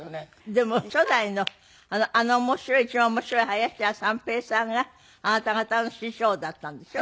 でも初代のあの面白い一番面白い林家三平さんがあなた方の師匠だったんでしょ？